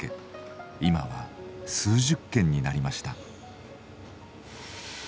今は数十軒になりました。